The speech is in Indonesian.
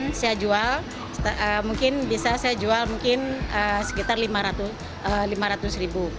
yang saya jual mungkin bisa saya jual mungkin sekitar lima ratus ribu